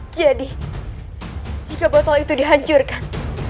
jadi jika botol itu dihancurkan